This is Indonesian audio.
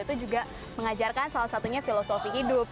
itu juga mengajarkan salah satunya filosofi hidup